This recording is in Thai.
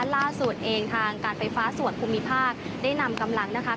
ล่าสุดเองทางการไฟฟ้าส่วนภูมิภาคได้นำกำลังนะคะ